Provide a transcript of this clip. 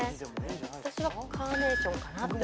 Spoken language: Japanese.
私はカーネーションかなって。